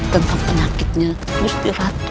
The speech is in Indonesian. tentang penyakitnya gusti ratu